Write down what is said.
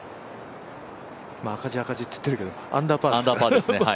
赤字、赤字っつってるけどアンダーパーですね。